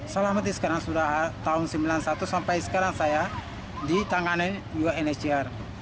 selama ini sekarang sudah tahun seribu sembilan ratus sembilan puluh satu sampai sekarang saya ditanganin unhcr